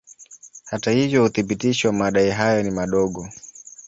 Hata hivyo uthibitisho wa madai hayo ni mdogo.